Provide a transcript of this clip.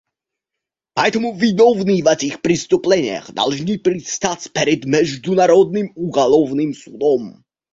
Поэтому виновные в этих преступлениях должны предстать перед Международным уголовным судом.